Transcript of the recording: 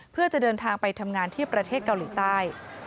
เพื่อจะเดินทางไปทำงานที่ประเทศเกาหลีใต้